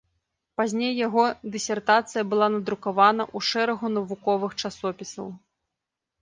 Пазней яго дысертацыя была надрукавана ў шэрагу навуковых часопісаў.